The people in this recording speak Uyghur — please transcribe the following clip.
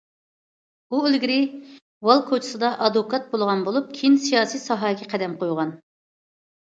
ئۇ ئىلگىرى ۋال كوچىسىدا ئادۋوكات بولغان بولۇپ، كېيىن سىياسىي ساھەگە قەدەم قويغان.